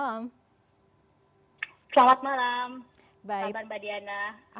selamat malam selamat malam mbak diana